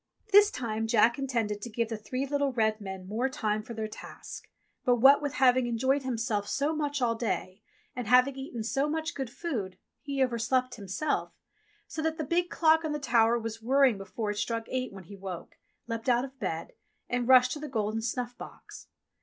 '* This time Jack intended to give the three little red men more time for their task ; but what with having enjoyed himself so much all day, and having eaten so much good food, he overslept himself, so that the big clock on the tower was whirring before it struck eight when he woke, leapt out of bed, and rushed to the golden snuff box.